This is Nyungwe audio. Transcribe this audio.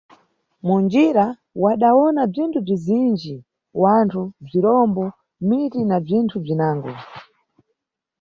Munjira, wadawona bzinthu bzizinji: wanthu, bzirombo, miti na bzinthu bzinango.